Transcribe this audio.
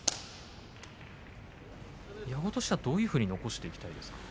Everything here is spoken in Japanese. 矢後としてはどういうふうに起こしていきたいですか。